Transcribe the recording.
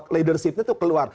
leadershipnya itu keluar